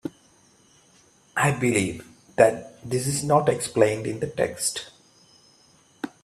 I believe that this is not explained in the text.